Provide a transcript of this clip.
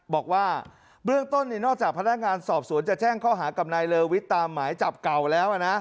บอกว่าเบื้องต้นนอกจากพนักงานสอบสวนจะแจ้งข้อหากับนายเลอวิทย์ตามหมายจับเก่าแล้วนะ